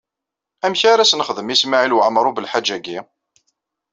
Amek ara s-nexdem i Smawil Waɛmaṛ U Belḥaǧ-agi?